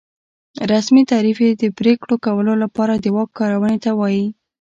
رسمي تعریف یې د پرېکړو کولو لپاره د واک کارونې ته وایي.